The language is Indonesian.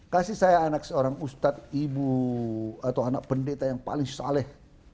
kasih saya anak seorang ustadz ibu atau anak pendeta yang paling saleh